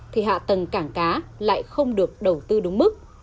thì hạ tầng cảng cá lại không được đầu tư đúng mức